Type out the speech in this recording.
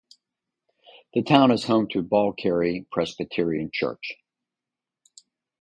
The town is home to Ballycarry Presbyterian Church.